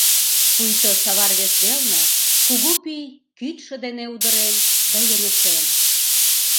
Пуйто савар вес велне кугу пий кӱчшӧ дене удырен да йыҥысен.